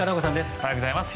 おはようございます。